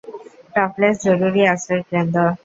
Topless জরুরী আশ্রয় কেন্দ্র!